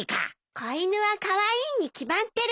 子犬はカワイイに決まってるわ。